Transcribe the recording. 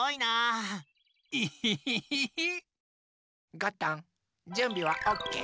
ゴットンじゅんびはオッケー？